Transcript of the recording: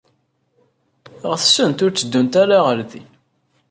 Ɣetsent ur tteddunt ara ɣer din.